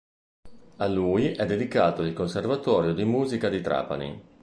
A lui è dedicato il conservatorio di musica di Trapani.